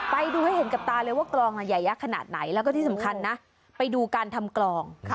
ไปดูให้เห็นกับตาเลยว่ากลองใหญ่ยักษ์ขนาดไหนแล้วก็ที่สำคัญนะไปดูการทำกลอง